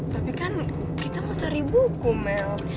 tapi kan kita mau cari buku mel